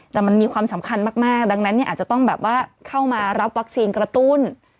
แต่มันมีความสำคัญมากดังนั้นอาจจะต้องเข้ามารับวัคซีนกระตูล